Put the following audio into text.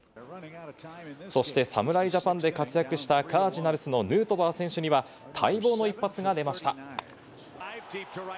そして侍ジャパンで活躍したカージナルスのヌートバー選手には待望の一発が出ました。